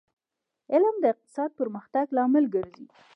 علم د اقتصادي پرمختګ لامل ګرځي